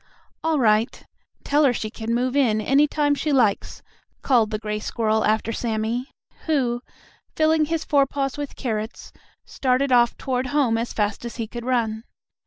"All right. Tell her she can move in any time she likes," called the gray squirrel after Sammie, who, filling his forepaws with carrots, started off toward home as fast as he could run.